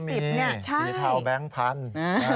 สีเท่าก็มีสีเท่าแบงค์พันธุ์